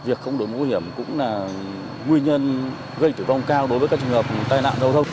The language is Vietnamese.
việc không đổi mũ bảo hiểm cũng là nguyên nhân gây tử vong cao đối với các trường hợp tai nạn giao thông